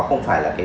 không phải là